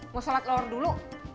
mau sholat luar dulu